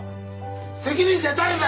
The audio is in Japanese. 責任者誰だ！